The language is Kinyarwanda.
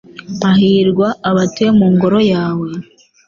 Hahirwa abatuye mu Ngoro yawe